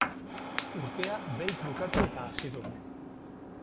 Urtea beltz bukatu eta hasi dugu.